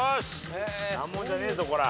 難問じゃねえぞコラ。